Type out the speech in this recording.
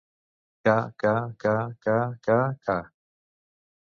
Ca, ca, ca, ca, ca, ca, ca!